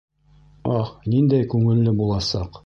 Ах, ниндәй күңелле буласаҡ!